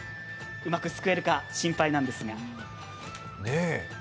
うまくすくえるか心配なんですが。